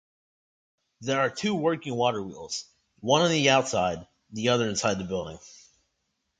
There are two working waterwheels, one on the outside, the other inside the building.